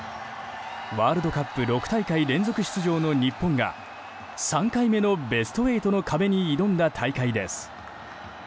ワールドカップ６大会連続出場の日本が３回目のベスト８の壁に挑んだ大会です。